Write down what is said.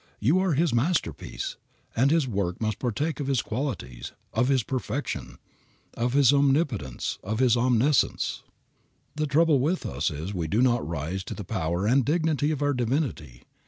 You are His masterpiece, and His work must partake of His qualities, of His perfection, of His omnipotence, of His omniscience. The trouble with us is we do not rise to the power and dignity of our divinity.